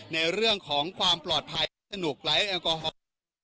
ในเรื่องของความปลอดภัยสนุกไร้แอลกอฮอล์